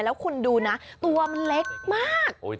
แล้วคุณดูนะตัวมันเล็กมาก